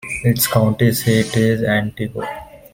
Its county seat is Antigo.